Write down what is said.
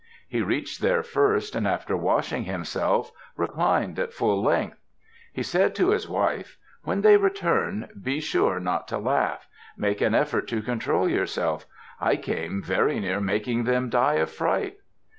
He reached there first and after washing himself, reclined at full length. He said to his wife, "When they return, be sure not to laugh. Make an effort to control yourself. I came very near making them die of fright."